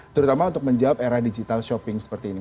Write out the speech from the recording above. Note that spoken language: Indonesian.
terutama untuk menjawab era digital shopping seperti ini